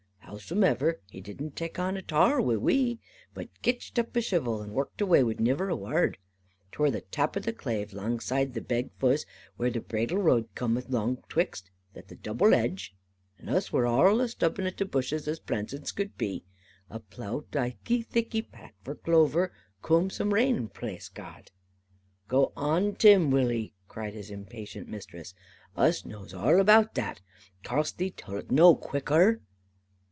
Howsomever her didn't tak on atarl wi we, but kitched up a shivel, and worked awai without niver a ward. 'Twur the tap of the clave, 'langside of the beg fuzz, where the braidle road coomth along 'twixt that and the double hadge; and us was arl a stubbing up the bushes as plaisant as could be, to plough thiccy plat for clover, coom some rain, plase God." "Git on, Tim, wull e," cried his impatient mistress, "us knows arl about that. Cas'n thee tull it no quicker?"